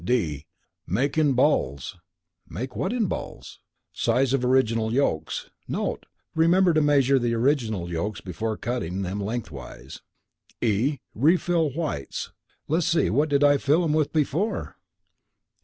(d) Make in balls ("Make what in balls?") size of original yolks ("Note: remember to measure original yolks before cutting them lengthwise"). (e) Refill whites ("Let's see, what did I fill 'em with before?")